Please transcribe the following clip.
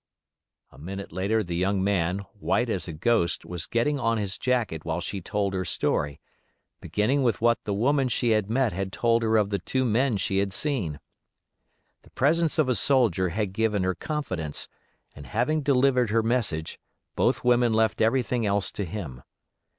A minute later the young man, white as a ghost, was getting on his jacket while she told her story, beginning with what the woman she had met had told her of the two men she had seen. The presence of a soldier had given her confidence, and having delivered her message both women left everything else to him.